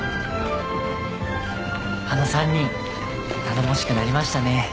あの３人頼もしくなりましたね。